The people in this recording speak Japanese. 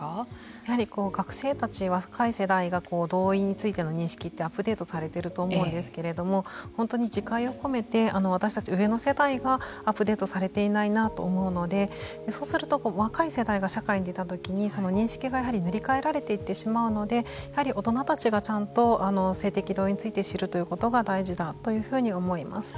やはり学生たち若い世代が同意についての認識ってアップデートされていると思いますけれども本当に自戒を込めて私たち上の世代がアップデートされていないなと思うのでそうすると若い世代が社会に出たときにその認識がやはり塗り替えられていってしまうのでやはり大人たちがちゃんと性的同意について知るということが大事だというふうに思います。